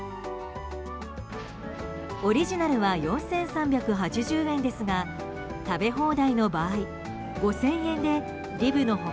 オリジナルは４３８０円ですが食べ放題の場合５０００円でリブの他